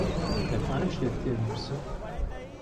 دەتوانم شتێکت لێ بپرسم؟